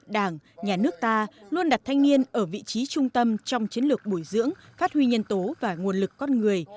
đảng nhà nước ta luôn đặt thanh niên ở vị trí trung tâm trong chiến lược bồi dưỡng phát huy nhân tố và nguồn lực con người